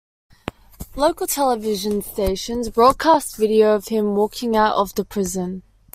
Local television stations broadcast video of him walking out of the prison.